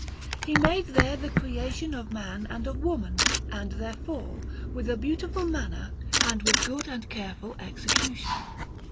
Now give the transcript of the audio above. He made there the Creation of man and of woman, and their Fall, with a beautiful manner and with good and careful execution.